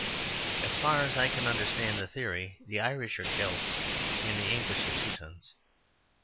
As far as I can understand the theory, the Irish are Celts and the English are Teutons.